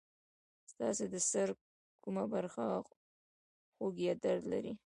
ستاسو د سر کومه برخه خوږ یا درد لري؟